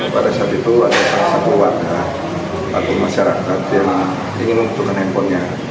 pada saat itu ada salah satu warga atau masyarakat yang ingin membutuhkan handphonenya